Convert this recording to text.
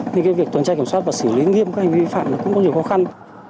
nên việc tuần tra kiểm soát và xử lý nghiêm các hành vi vi phạm cũng có nhiều khó khăn